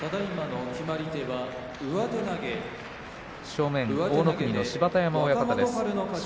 正面、大乃国の芝田山親方です。